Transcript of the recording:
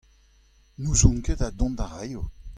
N'ouzon ket ha dont a raio.